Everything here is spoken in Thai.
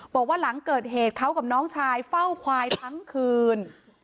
บอกว่าหลังเกิดเหตุเขากับน้องชายเฝ้าควายทั้งคืน